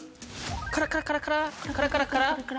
カラカラカラカラカラカラカラ。